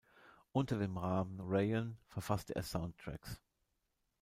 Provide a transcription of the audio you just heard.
Unter dem Namen Rayon verfasste er Soundtracks.